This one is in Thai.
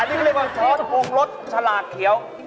อันนี้ก็เรียกว่าซอสปรุงรสชลาดเขียว